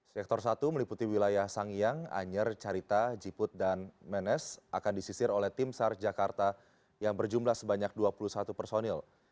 sektor satu meliputi wilayah sangiang anyer carita jiput dan menes akan disisir oleh tim sar jakarta yang berjumlah sebanyak dua puluh satu personil